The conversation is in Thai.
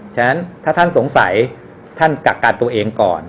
ฉะนั้นถ้าท่านสงสัยท่านกักกันตัวเองก่อน